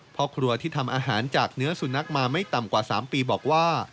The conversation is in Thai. พ่อครัวที่ทำอาหารจากเนื้อสุนัขมาไม่ต่ำกว่า๓ปีบอกว่า